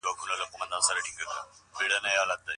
مثبت فکر باور نه دروي.